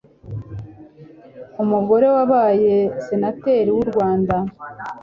umugore wabaye senateri w'u Rwanda,